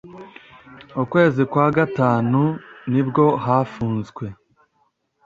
Ukwezi kwa gatanu nibwo hafunzwe